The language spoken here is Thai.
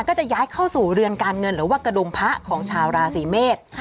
ก็จะย้ายเข้าสู่เรือนการเงินหรือว่ากระดุงพระของชาวราศีเมษ